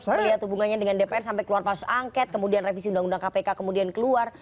melihat hubungannya dengan dpr sampai keluar masuk angket kemudian revisi undang undang kpk kemudian keluar